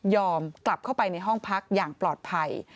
กลับเข้าไปในห้องพักอย่างปลอดภัย